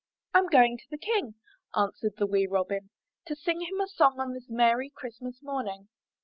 'Tm going to the King," answered the wee Robin, "to sing him a song on this merry Christmas morning."